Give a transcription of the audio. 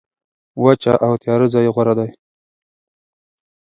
وچه او تیاره ځای غوره دی.